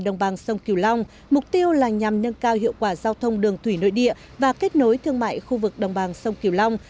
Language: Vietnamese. đồng bằng sông kiều long mục tiêu là nhằm nâng cao hiệu quả giao thông đường thủy nội địa và kết nối thương mại khu vực đồng bằng sông kiều long